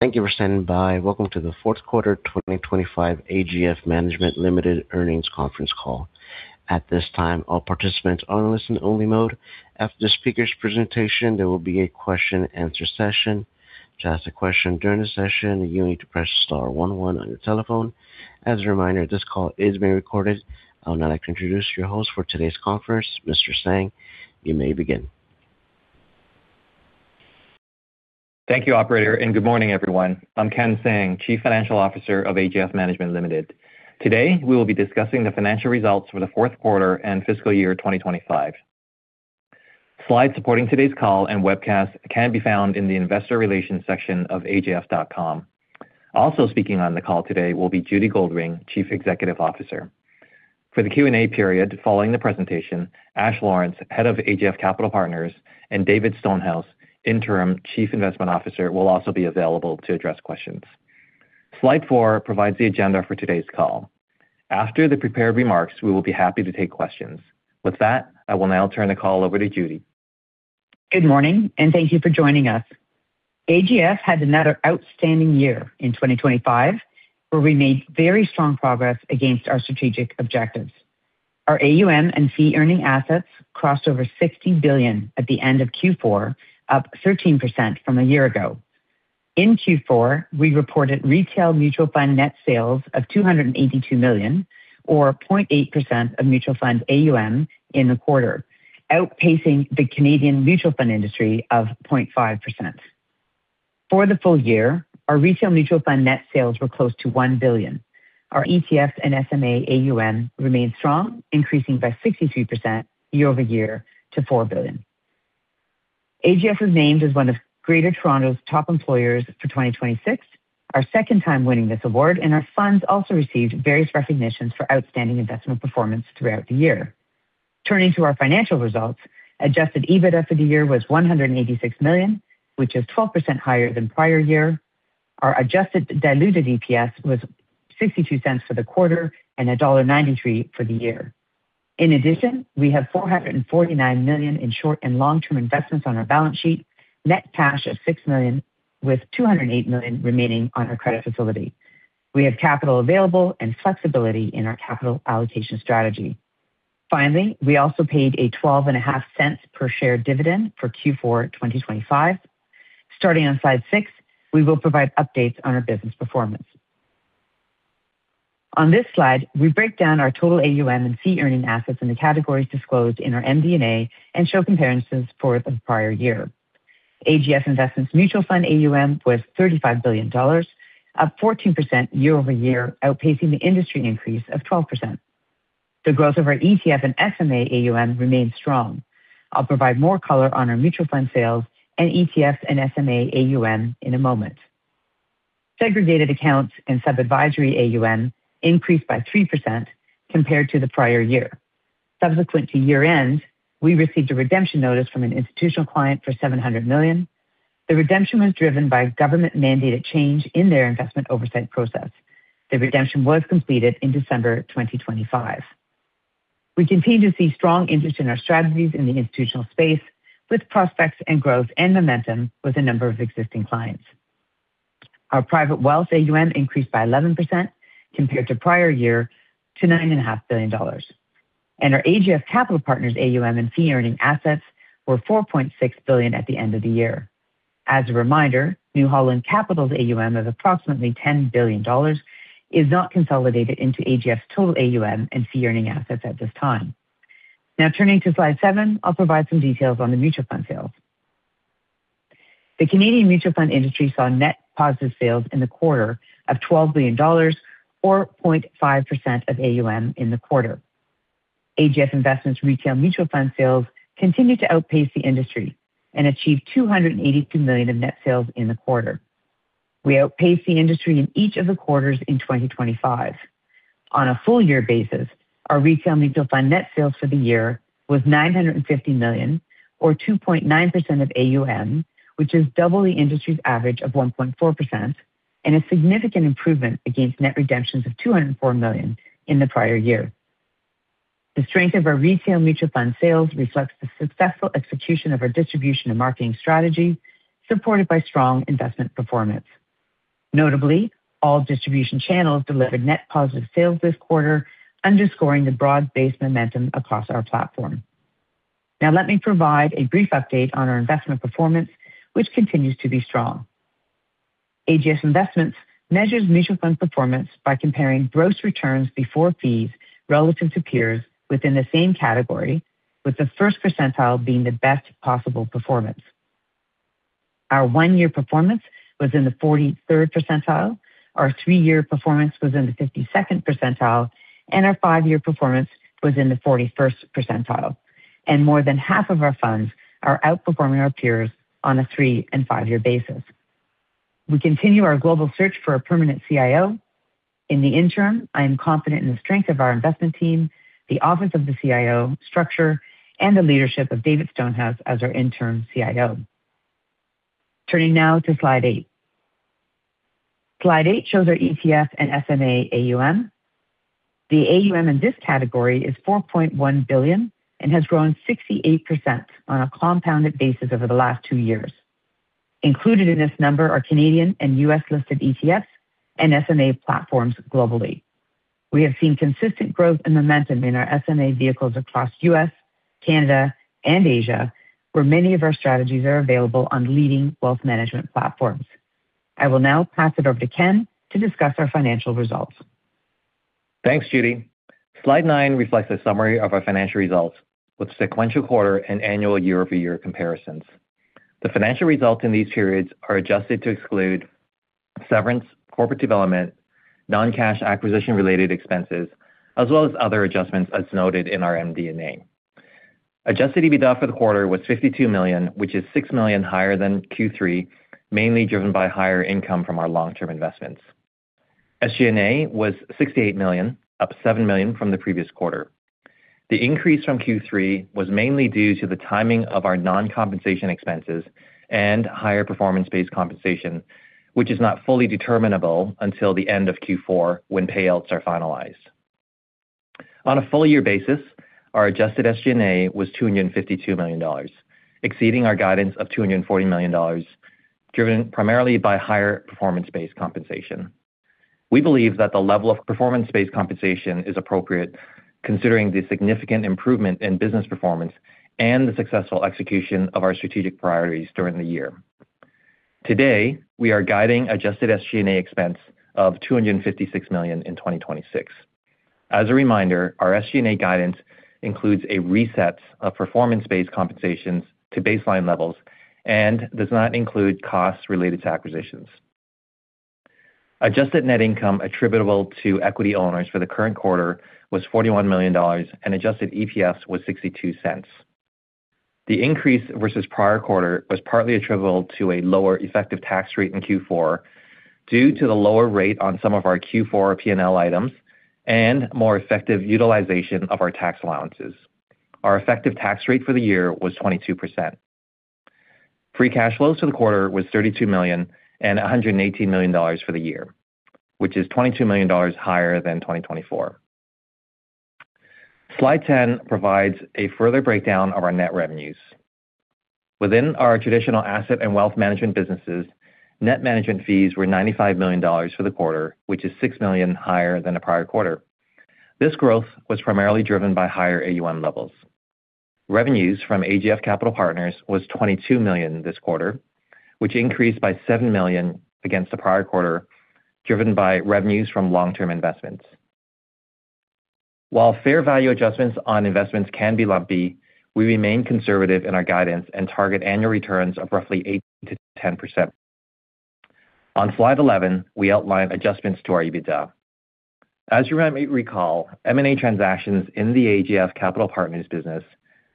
Thank you for standing by. Welcome to the fourth quarter 2025 AGF Management Limited earnings conference call. At this time, all participants are in listen-only mode. After the speaker's presentation, there will be a question-and-answer session. To ask a question during the session, you need to press star one one on your telephone. As a reminder, this call is being recorded. I would now like to introduce your host for today's conference, Mr. Tsang. You may begin. Thank you, Operator, and good morning, everyone. I'm Ken Tsang, Chief Financial Officer of AGF Management Limited. Today, we will be discussing the financial results for the fourth quarter and fiscal year 2025. Slides supporting today's call and webcast can be found in the investor relations section of AGF.com. Also speaking on the call today will be Judy Goldring, Chief Executive Officer. For the Q&A period following the presentation, Ash Lawrence, head of AGF Capital Partners, and David Stonehouse, interim Chief Investment Officer, will also be available to address questions. Slide 4 provides the agenda for today's call. After the prepared remarks, we will be happy to take questions. With that, I will now turn the call over to Judy. Good morning, and thank you for joining us. AGF had another outstanding year in 2025, where we made very strong progress against our strategic objectives. Our AUM and fee-earning assets crossed over 60 billion at the end of Q4, up 13% from a year ago. In Q4, we reported retail mutual fund net sales of 282 million, or 0.8% of mutual fund AUM in the quarter, outpacing the Canadian mutual fund industry of 0.5%. For the full year, our retail mutual fund net sales were close to 1 billion. Our ETF and SMA AUM remained strong, increasing by 63% year-over-year to 4 billion. AGF was named as one of Greater Toronto's Top Employers for 2026, our second time winning this award, and our funds also received various recognitions for outstanding investment performance throughout the year. Turning to our financial results, adjusted EBITDA for the year was 186 million, which is 12% higher than prior year. Our adjusted diluted EPS was 0.62 for the quarter and dollar 1.93 for the year. In addition, we have 449 million in short and long-term investments on our balance sheet, net cash of 6 million, with 208 million remaining on our credit facility. We have capital available and flexibility in our capital allocation strategy. Finally, we also paid a 0.125 per share dividend for Q4 2025. Starting on slide 6, we will provide updates on our business performance. On this slide, we break down our total AUM and fee-earning assets in the categories disclosed in our MD&A and show comparisons for the prior year. AGF Investments' mutual fund AUM was 35 billion dollars, up 14% year-over-year, outpacing the industry increase of 12%. The growth of our ETF and SMA AUM remained strong. I'll provide more color on our mutual fund sales and ETF and SMA AUM in a moment. Segregated accounts and sub-advisory AUM increased by 3% compared to the prior year. Subsequent to year-end, we received a redemption notice from an institutional client for 700 million. The redemption was driven by government-mandated change in their investment oversight process. The redemption was completed in December 2025. We continue to see strong interest in our strategies in the institutional space, with prospects and growth and momentum with a number of existing clients. Our private wealth AUM increased by 11% compared to prior year to 9.5 billion dollars. Our AGF Capital Partners AUM and fee-earning assets were 4.6 billion at the end of the year. As a reminder, New Holland Capital's AUM of approximately 10 billion dollars is not consolidated into AGF's total AUM and fee-earning assets at this time. Now, turning to slide seven, I'll provide some details on the mutual fund sales. The Canadian mutual fund industry saw net positive sales in the quarter of 12 billion dollars, or 0.5% of AUM in the quarter. AGF Investments' retail mutual fund sales continued to outpace the industry and achieved 282 million of net sales in the quarter. We outpaced the industry in each of the quarters in 2025. On a full-year basis, our retail mutual fund net sales for the year was 950 million, or 2.9% of AUM, which is double the industry's average of 1.4%, and a significant improvement against net redemptions of 204 million in the prior year. The strength of our retail mutual fund sales reflects the successful execution of our distribution and marketing strategy, supported by strong investment performance. Notably, all distribution channels delivered net positive sales this quarter, underscoring the broad-based momentum across our platform. Now, let me provide a brief update on our investment performance, which continues to be strong. AGF Investments measures mutual fund performance by comparing gross returns before fees relative to peers within the same category, with the first percentile being the best possible performance. Our one-year performance was in the 43rd percentile, our three-year performance was in the 52nd percentile, and our five-year performance was in the 41st percentile. More than half of our funds are outperforming our peers on a three- and five-year basis. We continue our global search for a permanent CIO. In the interim, I am confident in the strength of our investment team, the Office of the CIO structure, and the leadership of David Stonehouse as our interim CIO. Turning now to slide eight. Slide eight shows our ETF and SMA AUM. The AUM in this category is 4.1 billion and has grown 68% on a compounded basis over the last two years. Included in this number are Canadian and U.S.-listed ETFs and SMA platforms globally. We have seen consistent growth and momentum in our SMA vehicles across the U.S., Canada, and Asia, where many of our strategies are available on leading wealth management platforms. I will now pass it over to Ken to discuss our financial results. Thanks, Judy. Slide nine reflects a summary of our financial results with sequential quarter and annual year-over-year comparisons. The financial results in these periods are adjusted to exclude severance, corporate development, non-cash acquisition-related expenses, as well as other adjustments as noted in our MD&A. Adjusted EBITDA for the quarter was 52 million, which is 6 million higher than Q3, mainly driven by higher income from our long-term investments. SG&A was 68 million, up 7 million from the previous quarter. The increase from Q3 was mainly due to the timing of our non-compensation expenses and higher performance-based compensation, which is not fully determinable until the end of Q4 when payouts are finalized. On a full-year basis, our adjusted SG&A was 252 million dollars, exceeding our guidance of 240 million dollars, driven primarily by higher performance-based compensation. We believe that the level of performance-based compensation is appropriate, considering the significant improvement in business performance and the successful execution of our strategic priorities during the year. Today, we are guiding adjusted SG&A expense of 256 million in 2026. As a reminder, our SG&A guidance includes a reset of performance-based compensations to baseline levels and does not include costs related to acquisitions. Adjusted net income attributable to equity owners for the current quarter was 41 million dollars, and adjusted EPS was 0.62. The increase versus prior quarter was partly attributable to a lower effective tax rate in Q4 due to the lower rate on some of our Q4 P&L items and more effective utilization of our tax allowances. Our effective tax rate for the year was 22%. Free cash flows for the quarter were 32 million and 118 million dollars for the year, which is 22 million dollars higher than 2024. Slide 10 provides a further breakdown of our net revenues. Within our traditional asset and wealth management businesses, net management fees were 95 million dollars for the quarter, which is 6 million higher than the prior quarter. This growth was primarily driven by higher AUM levels. Revenues from AGF Capital Partners were 22 million this quarter, which increased by 7 million against the prior quarter, driven by revenues from long-term investments. While fair value adjustments on investments can be lumpy, we remain conservative in our guidance and target annual returns of roughly 8%-10%. On slide 11, we outline adjustments to our EBITDA. As you may recall, M&A transactions in the AGF Capital Partners business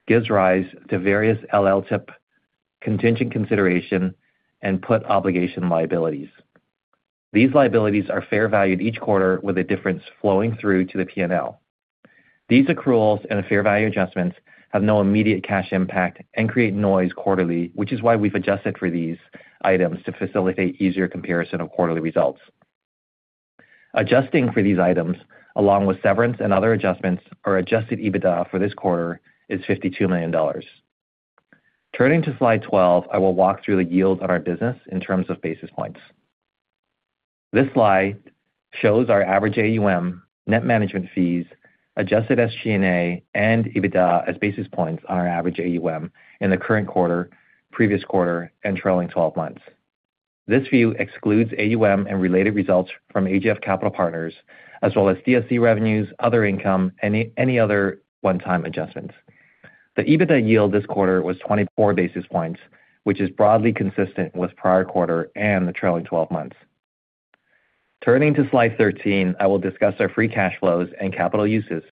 give rise to various LTIP contingent consideration and put obligation liabilities. These liabilities are fair valued each quarter, with a difference flowing through to the P&L. These accruals and fair value adjustments have no immediate cash impact and create noise quarterly, which is why we've adjusted for these items to facilitate easier comparison of quarterly results. Adjusting for these items, along with severance and other adjustments, our adjusted EBITDA for this quarter is 52 million dollars. Turning to slide 12, I will walk through the yield on our business in terms of basis points. This slide shows our average AUM, net management fees, adjusted SG&A, and EBITDA as basis points on our average AUM in the current quarter, previous quarter, and trailing 12 months. This view excludes AUM and related results from AGF Capital Partners, as well as DSC revenues, other income, and any other one-time adjustments. The EBITDA yield this quarter was 24 basis points, which is broadly consistent with prior quarter and the trailing 12 months. Turning to slide 13, I will discuss our free cash flows and capital uses.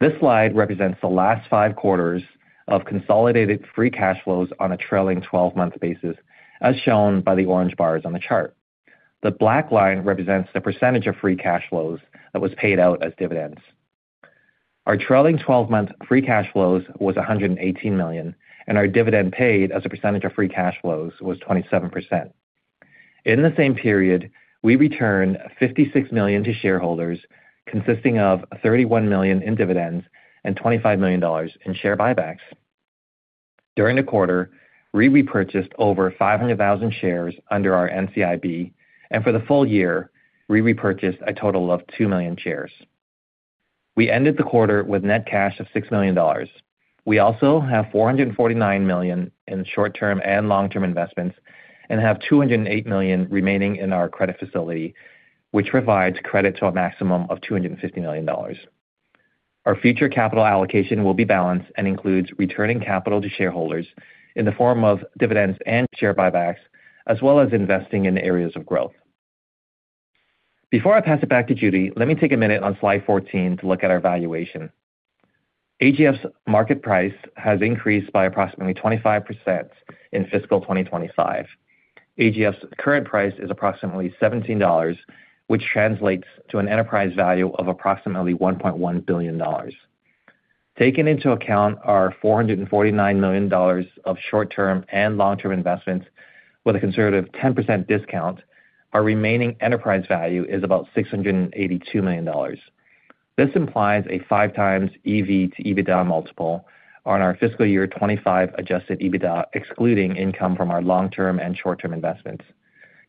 This slide represents the last five quarters of consolidated free cash flows on a trailing 12-month basis, as shown by the orange bars on the chart. The black line represents the percentage of free cash flows that was paid out as dividends. Our trailing 12-month free cash flows were 118 million, and our dividend paid as a percentage of free cash flows was 27%. In the same period, we returned 56 million to shareholders, consisting of 31 million in dividends and 25 million dollars in share buybacks. During the quarter, we repurchased over 500,000 shares under our NCIB, and for the full year, we repurchased a total of 2 million shares. We ended the quarter with net cash of 6 million dollars. We also have 449 million in short-term and long-term investments and have 208 million remaining in our credit facility, which provides credit to a maximum of 250 million dollars. Our future capital allocation will be balanced and includes returning capital to shareholders in the form of dividends and share buybacks, as well as investing in areas of growth. Before I pass it back to Judy, let me take a minute on slide 14 to look at our valuation. AGF's market price has increased by approximately 25% in fiscal 2025. AGF's current price is approximately 17 dollars, which translates to an enterprise value of approximately 1.1 billion dollars. Taken into account our 449 million dollars of short-term and long-term investments with a conservative 10% discount, our remaining enterprise value is about 682 million dollars. This implies a 5x EV to EBITDA multiple on our fiscal year 2025 adjusted EBITDA, excluding income from our long-term and short-term investments.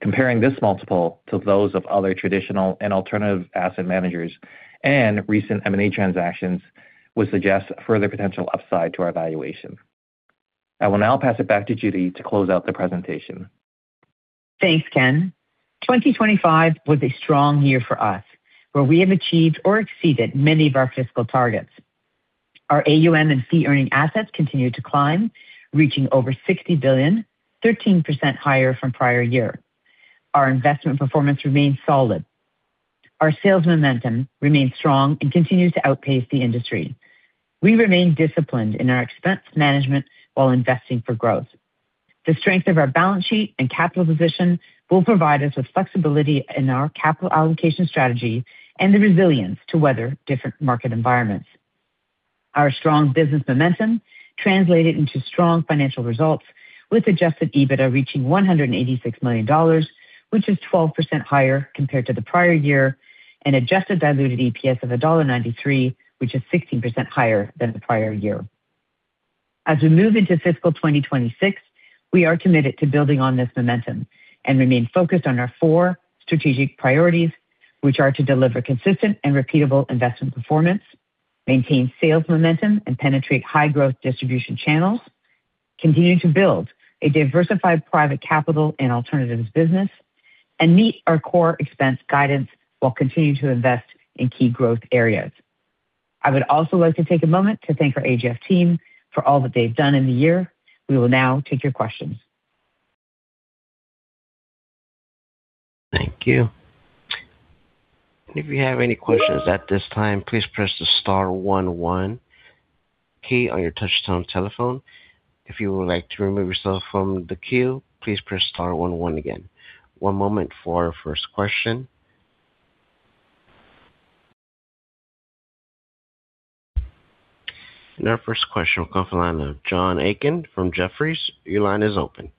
Comparing this multiple to those of other traditional and alternative asset managers and recent M&A transactions would suggest further potential upside to our valuation. I will now pass it back to Judy to close out the presentation. Thanks, Ken. 2025 was a strong year for us, where we have achieved or exceeded many of our fiscal targets. Our AUM and fee-earning assets continued to climb, reaching over 60 billion, 13% higher from prior year. Our investment performance remained solid. Our sales momentum remained strong and continues to outpace the industry. We remain disciplined in our expense management while investing for growth. The strength of our balance sheet and capital position will provide us with flexibility in our capital allocation strategy and the resilience to weather different market environments. Our strong business momentum translated into strong financial results, with adjusted EBITDA reaching 186 million dollars, which is 12% higher compared to the prior year, and adjusted diluted EPS of dollar 1.93, which is 16% higher than the prior year. As we move into fiscal 2026, we are committed to building on this momentum and remain focused on our four strategic priorities, which are to deliver consistent and repeatable investment performance, maintain sales momentum, and penetrate high-growth distribution channels, continue to build a diversified private capital and alternatives business, and meet our core expense guidance while continuing to invest in key growth areas. I would also like to take a moment to thank our AGF team for all that they've done in the year. We will now take your questions. Thank you. If you have any questions at this time, please press the star one key on your touch-tone telephone. If you would like to remove yourself from the queue, please press star one again. One moment for our first question. Our first question will come from the line of John Aiken from Jefferies. Your line is open.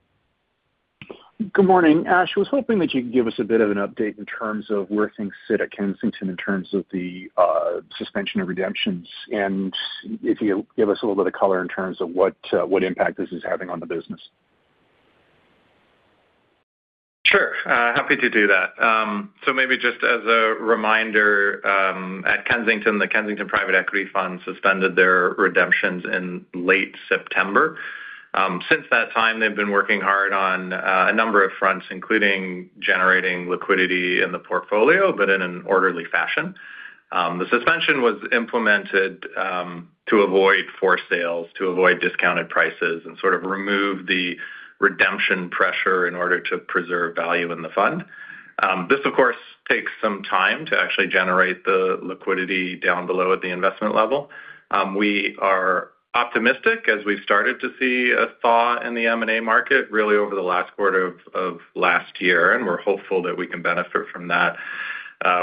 Good morning. Ash, I was hoping that you could give us a bit of an update in terms of where things sit at Kensington in terms of the suspension of redemptions and if you give us a little bit of color in terms of what impact this is having on the business? Sure. Happy to do that. So maybe just as a reminder, at Kensington, the Kensington Private Equity Fund suspended their redemptions in late September. Since that time, they've been working hard on a number of fronts, including generating liquidity in the portfolio, but in an orderly fashion. The suspension was implemented to avoid forced sales, to avoid discounted prices, and sort of remove the redemption pressure in order to preserve value in the fund. This, of course, takes some time to actually generate the liquidity down below at the investment level. We are optimistic as we've started to see a thaw in the M&A market really over the last quarter of last year, and we're hopeful that we can benefit from that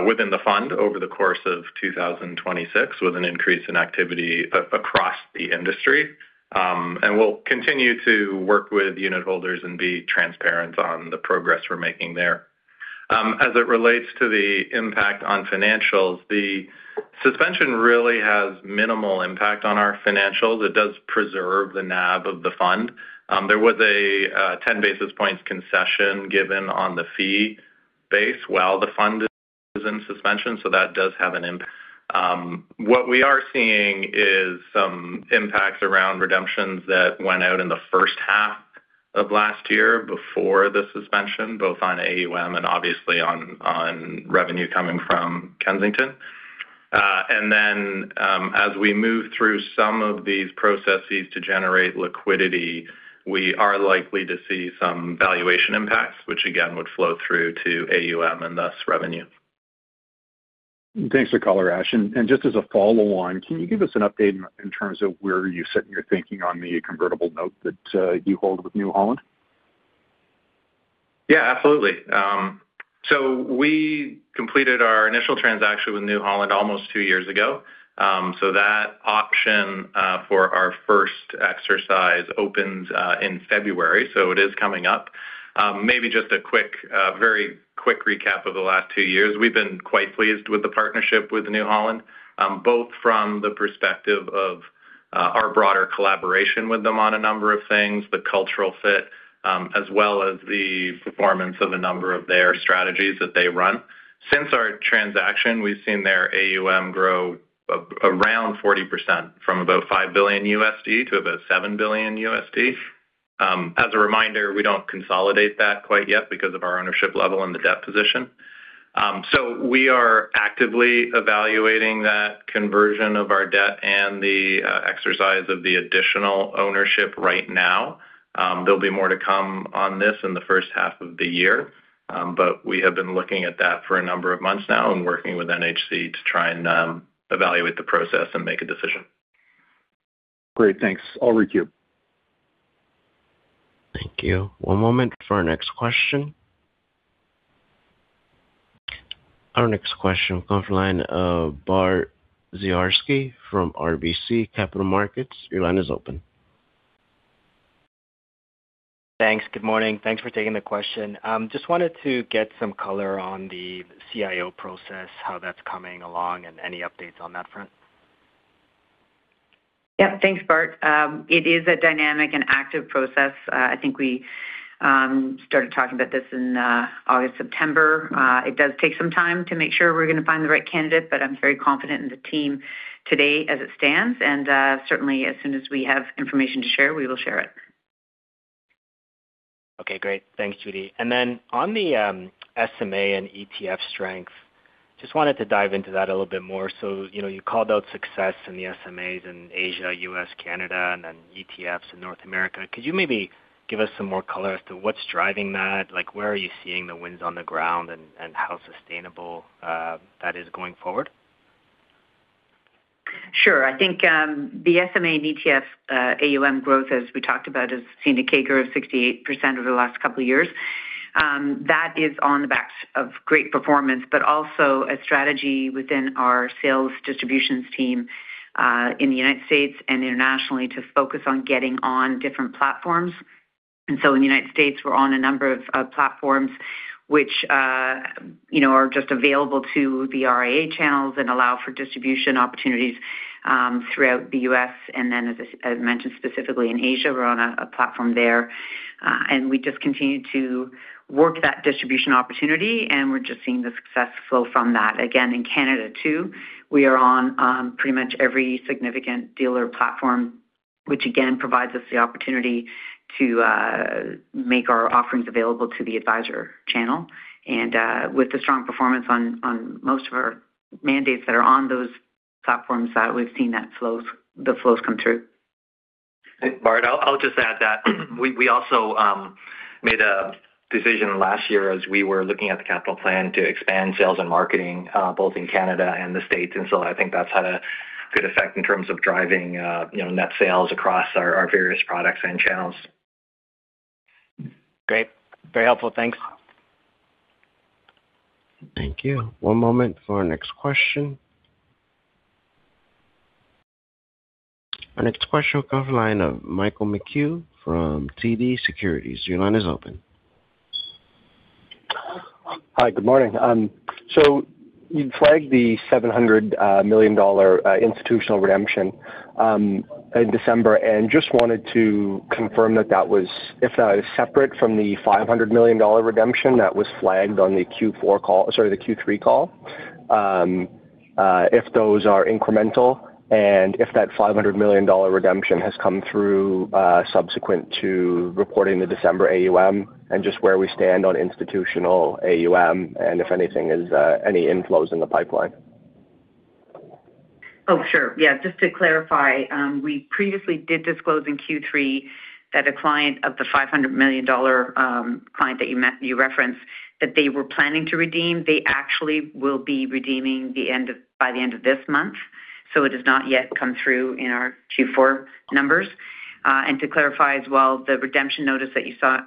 within the fund over the course of 2026 with an increase in activity across the industry. We'll continue to work with unit holders and be transparent on the progress we're making there. As it relates to the impact on financials, the suspension really has minimal impact on our financials. It does preserve the NAV of the fund. There was a 10 basis points concession given on the fee base while the fund was in suspension, so that does have an impact. What we are seeing is some impacts around redemptions that went out in the first half of last year before the suspension, both on AUM and obviously on revenue coming from Kensington. And then as we move through some of these processes to generate liquidity, we are likely to see some valuation impacts, which again would flow through to AUM and thus revenue. Thanks for the call, Ash. Just as a follow-on, can you give us an update in terms of where you sit in your thinking on the convertible note that you hold with New Holland? Yeah, absolutely. So we completed our initial transaction with New Holland almost two years ago. So that option for our first exercise opens in February, so it is coming up. Maybe just a very quick recap of the last two years. We've been quite pleased with the partnership with New Holland, both from the perspective of our broader collaboration with them on a number of things, the cultural fit, as well as the performance of a number of their strategies that they run. Since our transaction, we've seen their AUM grow around 40% from about $5 billion to about $7 billion. As a reminder, we don't consolidate that quite yet because of our ownership level and the debt position. So we are actively evaluating that conversion of our debt and the exercise of the additional ownership right now. There'll be more to come on this in the first half of the year, but we have been looking at that for a number of months now and working with NHC to try and evaluate the process and make a decision. Great. Thanks. I'll re-queue. Thank you. One moment for our next question. Our next question will come from the line of Bart Dziarski from RBC Capital Markets. Your line is open. Thanks. Good morning. Thanks for taking the question. Just wanted to get some color on the CIO process, how that's coming along, and any updates on that front? Yep. Thanks, Bart. It is a dynamic and active process. I think we started talking about this in August, September. It does take some time to make sure we're going to find the right candidate, but I'm very confident in the team today as it stands. Certainly, as soon as we have information to share, we will share it. Okay. Great. Thanks, Judy. And then on the SMA and ETF strength, just wanted to dive into that a little bit more. So you called out success in the SMAs in Asia, U.S., Canada, and then ETFs in North America. Could you maybe give us some more color as to what's driving that? Where are you seeing the wins on the ground and how sustainable that is going forward? Sure. I think the SMA and ETF AUM growth, as we talked about, has seen a CAGR of 68% over the last couple of years. That is on the backs of great performance, but also a strategy within our sales distributions team in the United States and internationally to focus on getting on different platforms. And so in the United States, we're on a number of platforms which are just available to the RIA channels and allow for distribution opportunities throughout the U.S. And then, as I mentioned, specifically in Asia, we're on a platform there. And we just continue to work that distribution opportunity, and we're just seeing the success flow from that. Again, in Canada too, we are on pretty much every significant dealer platform, which again provides us the opportunity to make our offerings available to the advisor channel. With the strong performance on most of our mandates that are on those platforms, we've seen the flows come through. Bart, I'll just add that we also made a decision last year as we were looking at the capital plan to expand sales and marketing both in Canada and the States. And so I think that's had a good effect in terms of driving net sales across our various products and channels. Great. Very helpful. Thanks. Thank you. One moment for our next question. Our next question will come from the line of Michael McCue from TD Securities. Your line is open. Hi, good morning. So you flagged the 700 million dollar institutional redemption in December and just wanted to confirm that that was, if that is separate from the 500 million dollar redemption that was flagged on the Q4 call, sorry, the Q3 call, if those are incremental and if that 500 million dollar redemption has come through subsequent to reporting the December AUM and just where we stand on institutional AUM and if anything is any inflows in the pipeline. Oh, sure. Yeah. Just to clarify, we previously did disclose in Q3 that a client of the 500 million dollar client that you referenced that they were planning to redeem, they actually will be redeeming by the end of this month. So it has not yet come through in our Q4 numbers. And to clarify as well, the redemption notice that you saw,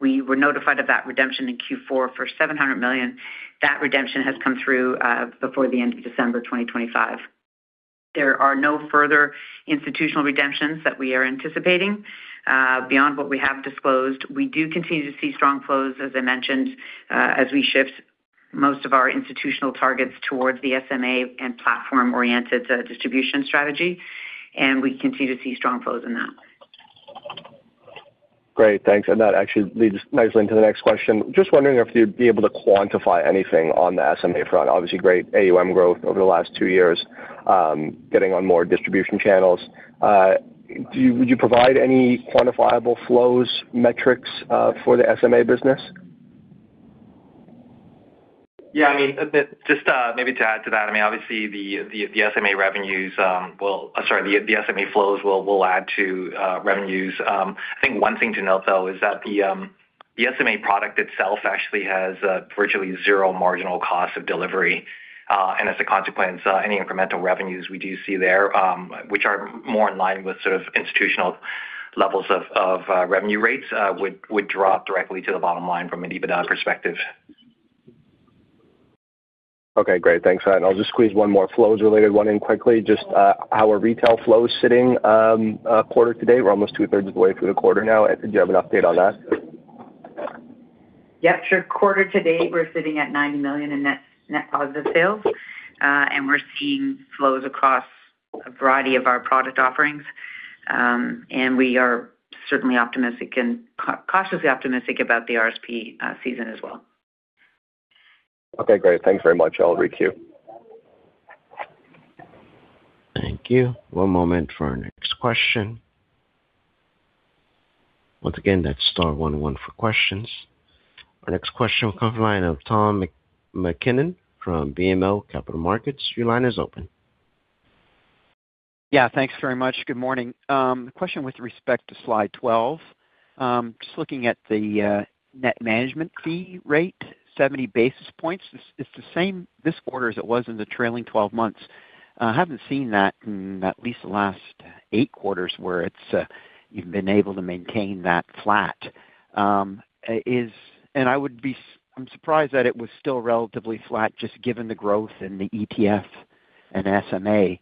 we were notified of that redemption in Q4 for 700 million. That redemption has come through before the end of December 2025. There are no further institutional redemptions that we are anticipating beyond what we have disclosed. We do continue to see strong flows, as I mentioned, as we shift most of our institutional targets towards the SMA and platform-oriented distribution strategy. And we continue to see strong flows in that. Great. Thanks. That actually leads nicely into the next question. Just wondering if you'd be able to quantify anything on the SMA front. Obviously, great AUM growth over the last two years, getting on more distribution channels. Would you provide any quantifiable flows metrics for the SMA business? Yeah. I mean, just maybe to add to that, I mean, obviously, the SMA revenues will, sorry, the SMA flows will add to revenues. I think one thing to note, though, is that the SMA product itself actually has virtually zero marginal cost of delivery. And as a consequence, any incremental revenues we do see there, which are more in line with sort of institutional levels of revenue rates, would drop directly to the bottom line from an EBITDA perspective. Okay. Great. Thanks. And I'll just squeeze one more flows-related one in quickly. Just how are retail flows sitting quarter to date? We're almost two-thirds of the way through the quarter now. Do you have an update on that? Yep. Sure. Quarter to date, we're sitting at 90 million in net positive sales. And we're seeing flows across a variety of our product offerings. And we are certainly optimistic and cautiously optimistic about the RSP season as well. Okay. Great. Thanks very much, I'll re-queue. Thank you. One moment for our next question. Once again, that's star one one for questions. Our next question will come from the line of Tom MacKinnon from BMO Capital Markets. Your line is open. Yeah. Thanks very much. Good morning. Question with respect to slide 12. Just looking at the net management fee rate, 70 basis points, it's the same this quarter as it was in the trailing 12 months. I haven't seen that in at least the last eight quarters where you've been able to maintain that flat. And I'm surprised that it was still relatively flat just given the growth in the ETF and SMA.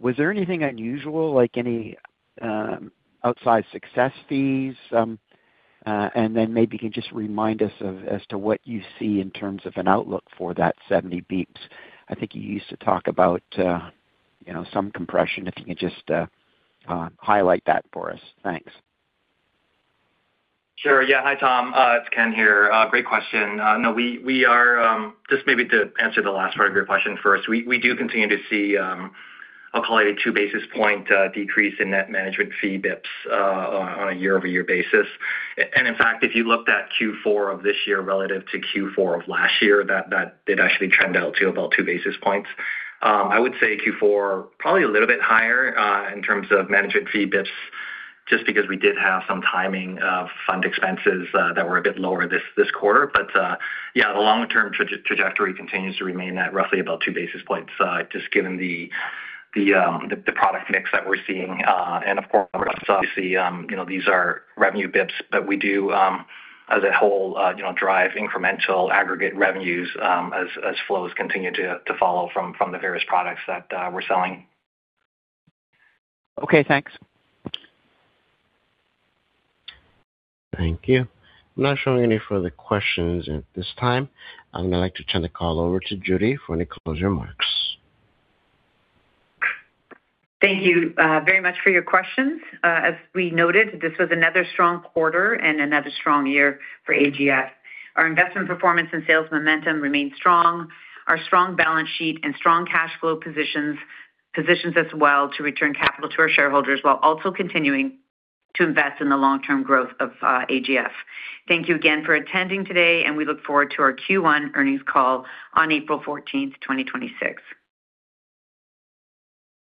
Was there anything unusual, like any outside success fees? And then maybe you can just remind us as to what you see in terms of an outlook for that 70 beeps. I think you used to talk about some compression. If you can just highlight that for us. Thanks. Sure. Yeah. Hi, Tom. It's Ken here. Great question. No, we are just maybe to answer the last part of your question first. We do continue to see, I'll call it a 2 basis point decrease in net management fee bps on a year-over-year basis. And in fact, if you looked at Q4 of this year relative to Q4 of last year, that did actually trend out to about 2 basis points. I would say Q4 probably a little bit higher in terms of management fee bps just because we did have some timing of fund expenses that were a bit lower this quarter. But yeah, the long-term trajectory continues to remain at roughly about 2 basis points just given the product mix that we're seeing. Of course, obviously, these are revenue bps, but we do, as a whole, drive incremental aggregate revenues as flows continue to follow from the various products that we're selling. Okay. Thanks. Thank you. I'm not showing any further questions at this time. I'm going to like to turn the call over to Judy for any closing remarks. Thank you very much for your questions. As we noted, this was another strong quarter and another strong year for AGF. Our investment performance and sales momentum remain strong. Our strong balance sheet and strong cash flow positions us well to return capital to our shareholders while also continuing to invest in the long-term growth of AGF. Thank you again for attending today, and we look forward to our Q1 earnings call on April 14th, 2026.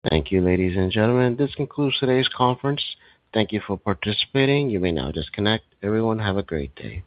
Thank you, ladies and gentlemen. This concludes today's conference. Thank you for participating. You may now disconnect. Everyone, have a great day.